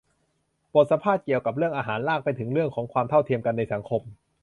บทสัมภาษณ์เกี่ยวกับเรื่องอาหารลากไปถึงเรื่องของความเท่าเทียมกันในสังคม